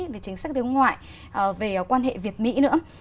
về chính sách đối ngoại về quan hệ việt mỹ nữa